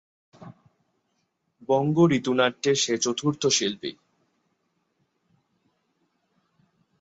বঙ্গ ঋতুনাট্যের সে চতুর্থ শিল্পী।